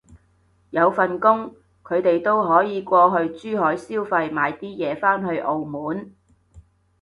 有份工，佢哋都可以過去珠海消費買啲嘢返去澳門